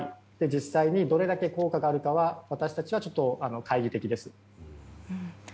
実際にどれだけ効果があるかは私たちは懐疑的です。